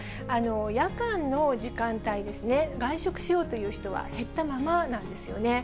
夜間の時間帯ですね、外食しようという人は減ったままなんですよね。